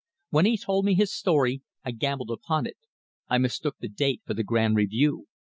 When he told me his story, I gambled upon it. I mistook the date for the Grand Review.